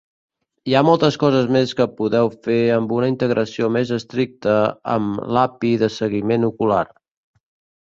Hi ha moltes coses més que podeu fer amb una integració més estricta amb l'API de seguiment ocular.